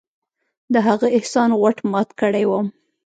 د هغه احسان غوټ مات کړى وم.